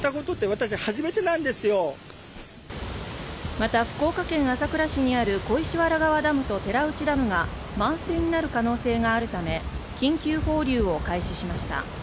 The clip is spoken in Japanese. また福岡県朝倉市にある小石原川ダムと寺内ダムが満水になる可能性があるため、緊急放流を開始しました。